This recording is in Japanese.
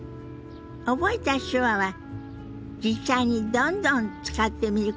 覚えた手話は実際にどんどん使ってみることが上達への近道よ。